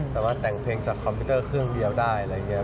สามารถแต่งเพลงจากคอมพิวเตอร์เครื่องเรียวได้